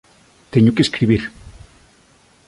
Teño que escribir.